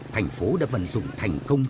thành phố đã vận dụng thành công